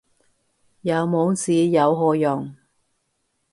有網址有何用